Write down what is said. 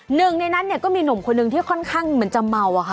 หนึ่งในนั้นเนี่ยก็มีหนุ่มคนหนึ่งที่ค่อนข้างเหมือนจะเมาอะค่ะ